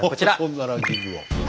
そんなランキングを。